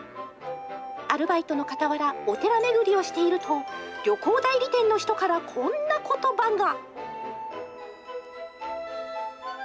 アルバイトのかたわら、お寺巡りをしていると、旅行代理店の人からこんなことばが。